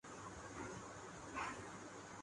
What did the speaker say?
اور جن اولادوں کے لیئے ساری عمر کماتے ہیں